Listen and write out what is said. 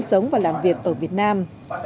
sống và làm việc ở việt nam